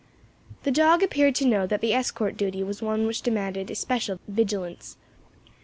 The dog appeared to know that the escort duty was one which demanded especial vigilance.